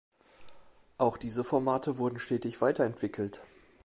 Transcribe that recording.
Auch diese Formate wurden stetig weiterentwickelt.